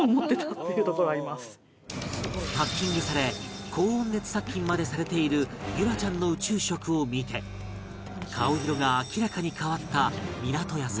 パッキングされ高温熱殺菌までされている結桜ちゃんの宇宙食を見て顔色が明らかに変わった港屋さん